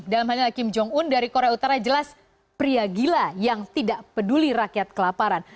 dalam hal ini kim jong un dari korea utara jelas pria gila yang tidak peduli rakyat kelaparan